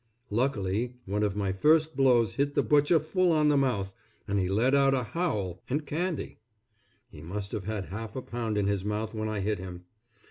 Luckily, one of my first blows hit the Butcher full on the mouth and he let out a howl and candy. He must have had half a pound in his mouth when I hit him.